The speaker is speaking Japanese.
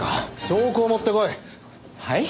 証拠を持ってこい。